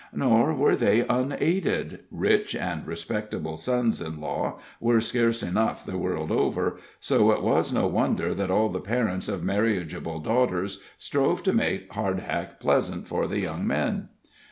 Nor were they unaided. Rich and respectable sons in law are scarce enough the world over, so it was no wonder that all the parents of marriageable daughters strove to make Hardhack pleasant for the young men.